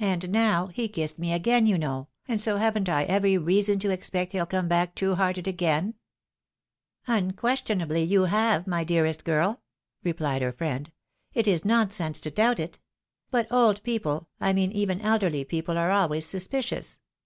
and now, he kissed me again, you know, and so haven't I every reason to expect he'll come back true hearted again ?"" Unquestionably you have, my dearest girl !" replied her friend ;" it is nonsense to doubt it. But old people, I mean even elderly people, are always suspicious.